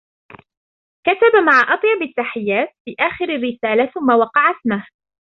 كتب " مع أطيب التحيات " في آخر الرسالة ثم وقع اسمه.